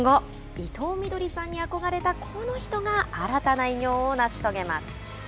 伊藤みどりさんに憧れたこの人が新たな偉業を成し遂げます。